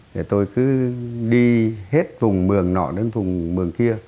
thì tôi cứ đi hết vùng mường nọ đến vùng mường kia